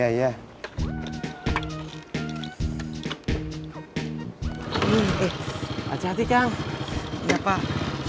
eh hati hati kang ya pak